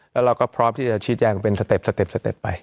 แล้วเราก็พร้อมที่จะชี้แจ้งเป็นสเต็ปไป